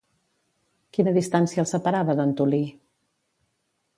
Quina distància el separava d'Antolí?